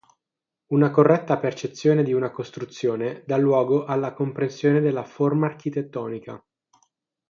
Una corretta percezione di una costruzione dà luogo alla comprensione della "forma architettonica".